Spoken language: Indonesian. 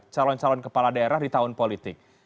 calon calon kepala daerah di tahun politik